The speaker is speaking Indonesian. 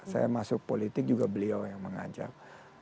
saya masuk politik juga beliau yang mengajak